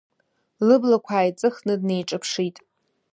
Лыблақәа ааиҵыхны днеиҿаԥшит.